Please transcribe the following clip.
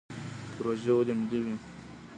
پروژې ولې ملي وي؟